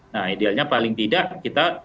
nah idealnya paling tidak kita bisa menjaga